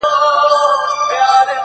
نن به د ورځې ښکلومه د سپرلي لاسونه’